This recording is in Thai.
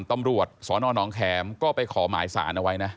ตำรวจสนน้องแขมก็ไปขอหมายสารเอาไว้นะ